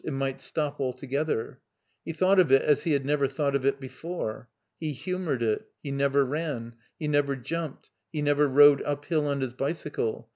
It might stop alto gether. He thought of it as he had never thought of it before. He humored it. He never ran. He never jumped. He never rode uphill on his bicycle.